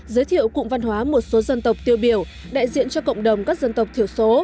giới thiệu cụm văn hóa một số dân tộc tiêu biểu đại diện cho cộng đồng các dân tộc thiểu số